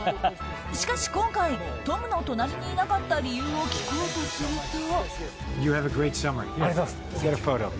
しかし今回トムの隣にいなかった理由を聞こうとすると。